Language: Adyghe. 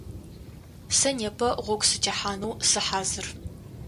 Сэ непэ гъогу сытехьанэу сыхьазыр.